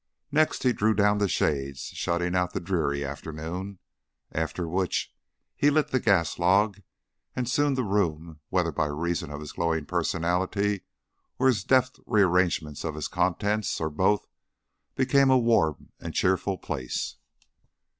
Next, he drew down the shades, shutting out the dreary afternoon, after which he lit the gas log, and soon the room, whether by reason of his glowing personality or his deft rearrangement of its contents, or both, became a warm and cheerful place.